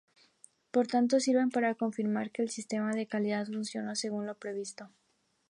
Por tanto, sirven para confirmar que el sistema de calidad funciona según lo previsto.